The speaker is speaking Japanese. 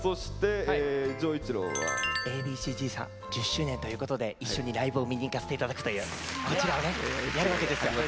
１０周年ということで一緒にライブを見に行かせて頂くというこちらをねやるわけですよ。